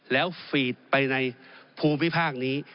แล้วฟีดไปในภูมิภาคนี้